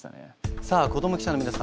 さあ子ども記者の皆さん